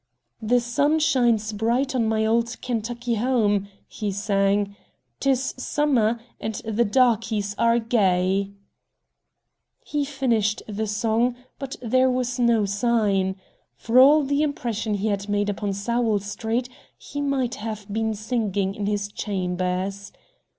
"The sun shines bright on my old Kentucky home," he sang; "'tis summer, and the darkies are gay." He finished the song, but there was no sign. For all the impression he had made upon Sowell Street, he might have been singing in his chambers.